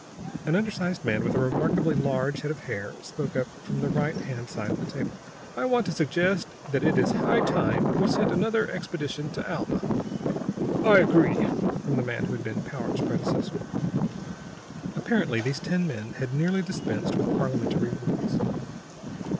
An undersized man with a remarkably large head of hair spoke up from the righthand side of the table: "I want to suggest that it is high time we sent another expedition to Alma." "I agree," from the man who had been Powart's predecessor. Apparently these ten men had nearly dispensed with parlimentary rules.